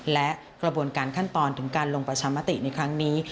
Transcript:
และกระบวนการขั้นตอนถึงการลงประชามติในครั้งนี้